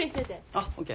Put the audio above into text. あっＯＫ。